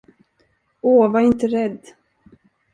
Åh, var inte rädd!